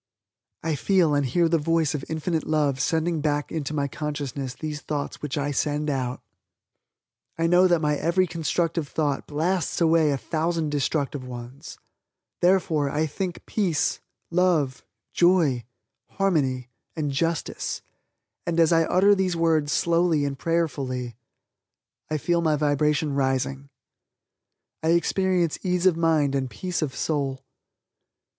I feel and hear the voice of infinite love sending back into my consciousness these thoughts which I send out. I know that my every constructive thought blasts away a thousand destructive ones. Therefore, I think peace, joy, love, harmony and justice, and, as I utter these words slowly and prayerfully, I feel my vibration rising I experience ease of mind and peace of soul.